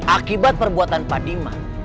akibat perbuatan pak diman